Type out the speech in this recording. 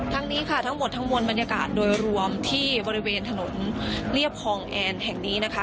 นี้ค่ะทั้งหมดทั้งมวลบรรยากาศโดยรวมที่บริเวณถนนเรียบคลองแอนแห่งนี้นะคะ